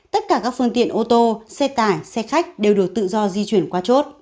tất cả các phương tiện ô tô xe tải xe khách đều được tự do di chuyển qua chốt